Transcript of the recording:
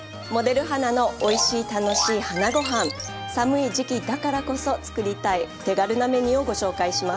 寒い時期だからこそ作りたい手軽なメニューをご紹介します。